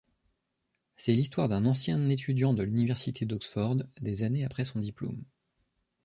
C'est l'histoire d'un ancien étudiant de l'université d'Oxford, des années après son diplôme.